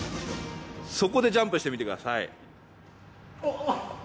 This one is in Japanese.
そこでジャンプしてみてください。